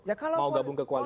mau gabung ke koalisi